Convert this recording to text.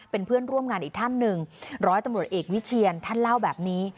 เป็นเพื่อนร่วมงานอีกท่านหนึ่งร้อยตำรวจเอกวิเชียนท่านเล่าแบบนี้